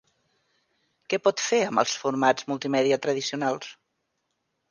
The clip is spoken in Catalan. Què pot fer amb els formats multimèdia tradicionals?